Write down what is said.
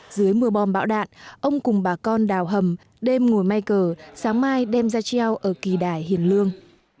dưới mưa bom bão đạn ông cùng bà con đào hầm đêm ngồi may cờ sáng mai đem ra treo ở kỳ đài hiền lương